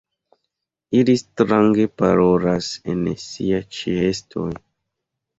Ili strange parolas en siaj ĉeestoj.